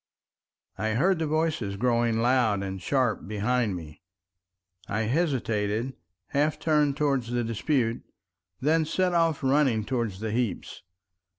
I heard the voices growing loud and sharp behind me. I hesitated, half turned towards the dispute, then set off running towards the heaps.